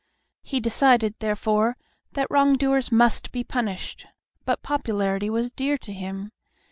He decided, therefore, that wrongdoers must be punished. But popularity was dear to him.